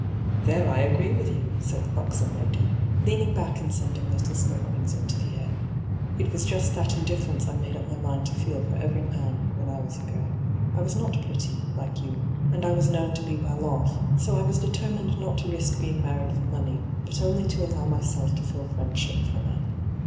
There I agree with you I' said the buxom lady, leaning back and sending little smoke rings into the wr. ' It was juat that indiffer ence I made up my mind to feel for every man, when I was a girl. I was not pretty, like you, and I was known to be well off, so I hyGoo>^lc ENTRAPPED 165 was determined not to risk being married for money, but only to allow myself to feel firiend ahip for men.